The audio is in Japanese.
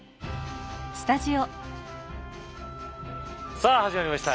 さあ始まりました。